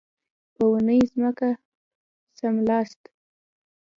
په اورنۍ ځمکه څملاست.